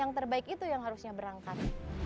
yang terbaik itu yang harusnya berangkat